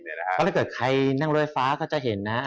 เพราะถ้าเกิดใครนั่งรถไฟฟ้าก็จะเห็นนะฮะ